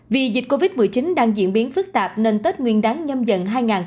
vì dịch covid một mươi chín đang diễn biến phức tạp nên tết nguyên đáng nhâm dần hai nghìn hai mươi